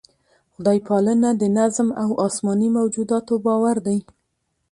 خدای پالنه د نظم او اسماني موجوداتو باور دی.